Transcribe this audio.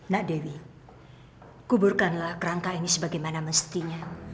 nak dewi kuburkanlah kerangka ini sebagaimana mestinya